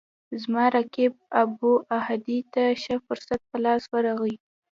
زما رقیب ابوالهدی ته ښه فرصت په لاس ورغی.